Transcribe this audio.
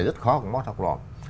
rất khó học mót học lọ